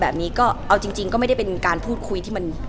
เหมือนนางก็เริ่มรู้แล้วเหมือนนางก็เริ่มรู้แล้ว